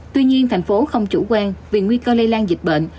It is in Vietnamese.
tuy nhiên thành phố không chủ quan vì nguy cơ lây lan dịch bệnh